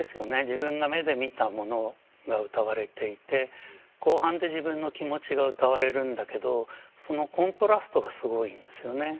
自分が目で見たものが歌われていて後半で自分の気持ちが歌われるんだけどそのコントラストがすごいんですよね。